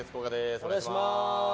お願いします